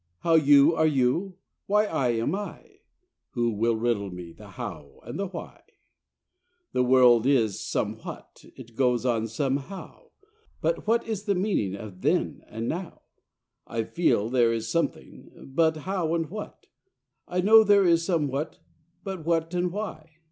How you are you? Why I am I? Who will riddle me the how and the why? The world is somewhat; it goes on somehow; But what is the meaning of then and now! I feel there is something; but how and what? I know there is somewhat; but what and why!